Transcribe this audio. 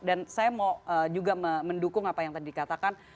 dan saya mau juga mendukung apa yang tadi dikatakan